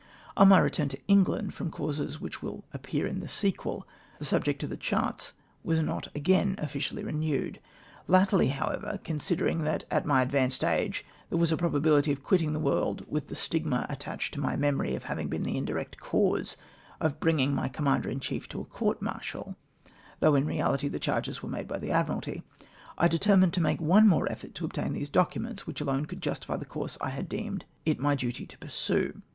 On my return to England, from causes which will appear in the sequel, the subject of the charts was not again officially renewed. Latterly, however, considering that at my advanced age there was a probability of quitting the world with the stigma attached to my memory of having been the indirect cause of bringing my commander in chief to a court martial — tlicjugh in reality the charges were made by the Admiralty — I determined to make one more effort to obtain those documents ^vhich alone could justify the course I had deemed it my duty to pm'sue.